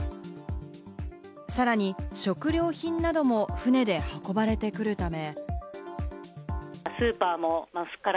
さらに食料品なども船で運ばれてくるため。